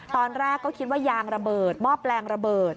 ตอนแรกก็คิดว่ายางระเบิดหม้อแปลงระเบิด